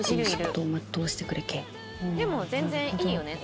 でも全然いいよね。